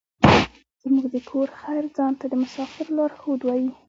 زموږ د کور خر ځان ته د مسافرو لارښود وايي.